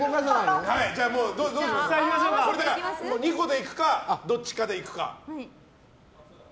２個で行くかどっちかでいくか。